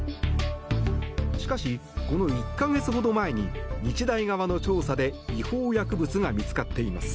しかし、この１か月ほど前に日大側の調査で違法薬物が見つかっています。